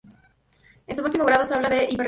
En su máximo grado, se habla de hiperrealismo.